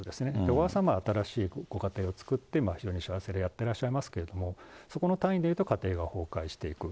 小川さんは新しいご家庭を作って非常に幸せにやってらっしゃいますけども、そこの単位で言うと、家庭が崩壊していく。